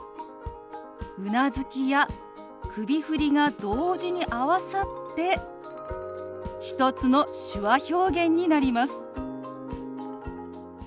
うなずきや首振りが同時に合わさって１つの手話表現になります。